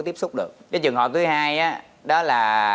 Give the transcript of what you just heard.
tiếp xúc được cái trường hợp thứ hai đó là